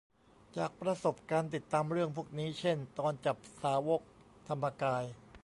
จากประสบการณ์ติดตามเรื่องพวกนี้ เช่น ตอนจับสาวกธรรมกาย